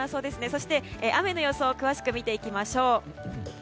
そして雨の予想を詳しく見ていきましょう。